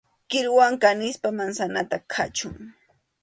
Kiruwan kanispa mansanata khachuy.